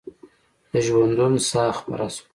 د ژوندون ساه خپره شوه